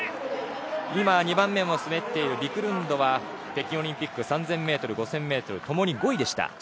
今、２番目を滑っているビクルンドは北京オリンピック３０００ｍ、５０００ｍ共に５位でした。